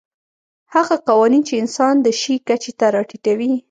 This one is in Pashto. هغه قوانین چې انسان د شي کچې ته راټیټوي.